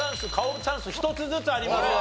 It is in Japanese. チャンス１つずつあります。